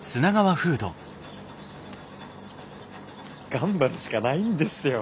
・頑張るしかないんですよ。